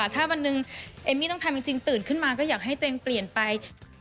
ถ้าวันหนึ่งเอมมี่ต้องทำจริงตื่นขึ้นมาก็อยากให้ตัวเองเปลี่ยนไป